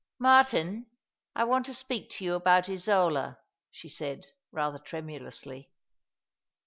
" I^Iartin, I want to speak to you about Isola," she said, rather tremulously.